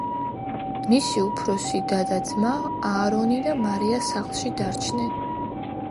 მისი უფროსი და და ძმა, აარონი და მარია სახლში დარჩნენ.